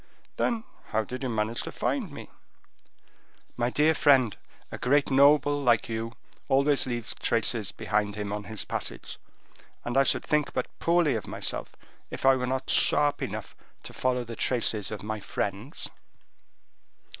"Then how did you manage to find me?" "My dear friend, a great noble like you always leaves traced behind him on his passage; and I should think but poorly of myself, if I were not sharp enough to follow the traces of my friends."